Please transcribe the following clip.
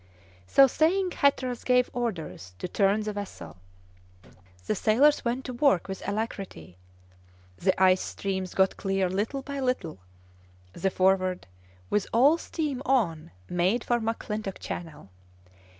So saying, Hatteras gave orders to turn the vessel; the sailors went to work with alacrity; the ice streams got clear little by little; the Forward, with all steam on, made for McClintock Channel.